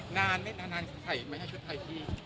นานใส่ชุดไทยที่